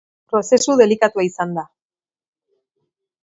Prozesu delikatua izan da.